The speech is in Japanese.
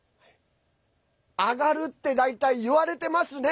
上がるって大体いわれていますね。